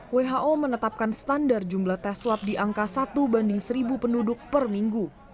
who menetapkan standar jumlah tes swab di angka satu banding seribu penduduk per minggu